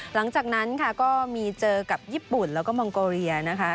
หลังจากนั้นค่ะก็มีเจอกับญี่ปุ่นแล้วก็มองโกเรียนะคะ